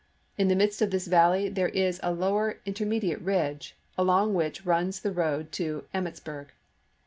In the midst of this valley there is a lower intermedi ate ridge, along which runs the road to Emmits burg.